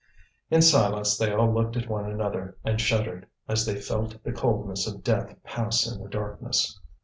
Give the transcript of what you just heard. In silence they all looked at one another, and shuddered as they felt the coldness of death pass in the darkness.